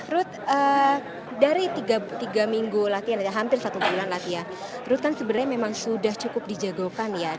ruth dari tiga minggu latihan ada hampir satu bulan latihan ruth kan sebenarnya memang sudah cukup dijagokan ya